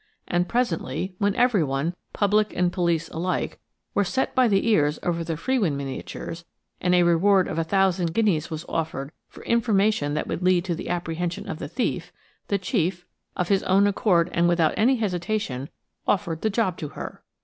And presently, when everyone–public and police alike–were set by the ears over the Frewin miniatures, and a reward of 1,000 guineas was offered for information that would lead to the apprehension of the thief, the chief, of his own accord and without any hesitation, offered the job to her.